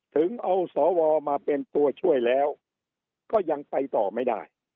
ถึงเอาสวมาเป็นตัวช่วยแล้วก็ยังไปต่อไม่ได้